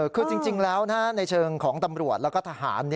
คือจริงแล้วในเชิงของตำรวจแล้วก็ทหาร